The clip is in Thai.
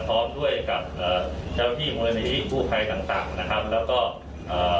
พร้อมด้วยกับเอ่อเจ้าที่มูลนิธิกู้ภัยต่างต่างนะครับแล้วก็เอ่อ